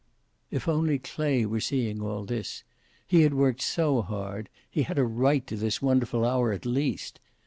If only Clay were seeing all this! He had worked so hard. He had a right to this wonderful hour, at least.